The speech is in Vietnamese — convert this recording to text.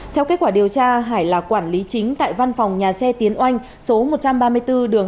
theo kết quả điều tra hải là quản lý chính tại văn phòng nhà xe tiến oanh số một trăm ba mươi bốn đường